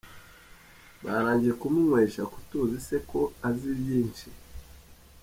Barangije kumunywesha ku tuzi se ko azi byinshi?